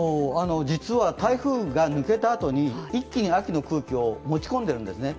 実は台風が抜けたあとに、一気に秋の空気を持ち込んでるんですね。